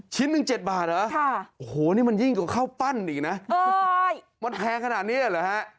หนึ่ง๗บาทเหรอโอ้โหนี่มันยิ่งกว่าข้าวปั้นอีกนะมันแพงขนาดนี้เหรอฮะ